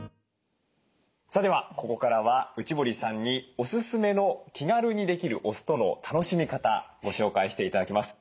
さあではここからは内堀さんにおすすめの気軽にできるお酢との楽しみ方ご紹介して頂きます。